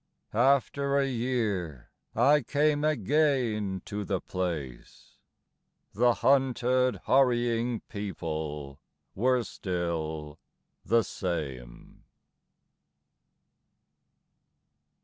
After a year I came again to the place The hunted hurrying people were still the same....